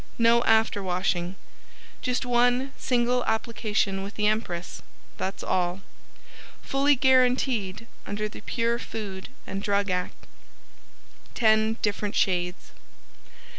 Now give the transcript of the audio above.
No after washing. Just one single application with the Empress, that's all. Fully guaranteed under the Pure Food and Drug Act. 10 different shades.